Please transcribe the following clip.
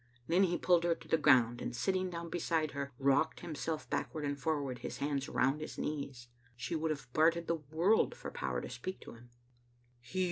Then he pulled her to the ground, and, sitting down beside her, rocked himself backward and forward, his hands round his knees. She would have bartered the world for power to speak to him.